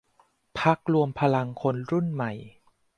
พรรครวมพลังคนรุ่นใหม่